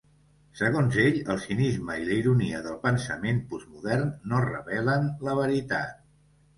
Segons ell, el cinisme i la ironia del pensament postmodern no revelen la veritat.